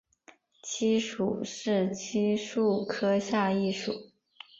漆属是漆树科下一属。